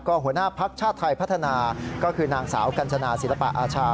หัวหน้าภักดิ์ชาติไทยพัฒนาก็คือนางสาวกัญชนาศิลปะอาชา